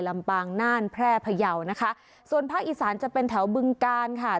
ลำปางน่านแพร่พยาวนะคะส่วนภาคอีสานจะเป็นแถวบึงกาลค่ะ